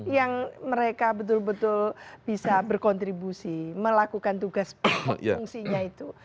yang mereka betul betul bisa berkontribusi melakukan tugas fungsinya itu